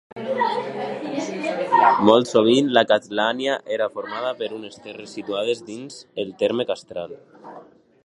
Molt sovint la castlania era formada per unes terres situades dins el terme castral.